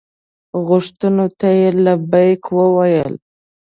غوښتنو ته یې لبیک وویل.